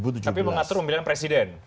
tapi mengatur pemilihan presiden